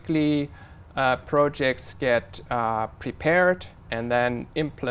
là một trong những vấn đề chú ý